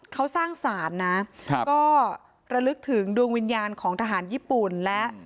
เขาสร้างศาลนะก็ระลึกถึงดวงวิญญาณของทหารญี่ปุ่นและ